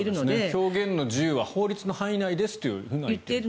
表現の自由は法律の範囲内ですと言っている。